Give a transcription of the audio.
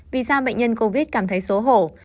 vì sao bệnh nhân covid cảm thấy xấu hổ